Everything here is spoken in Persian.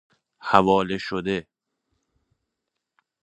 حواله شده